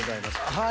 はい！